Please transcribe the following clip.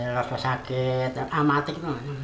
rasanya sakit rematik